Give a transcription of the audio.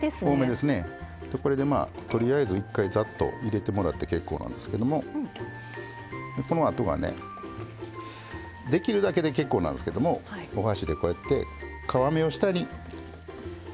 でこれでまあとりあえず一回ざっと入れてもらって結構なんですけどもでこのあとはねできるだけで結構なんですけどもお箸でこうやって皮目を下に最初にして頂く。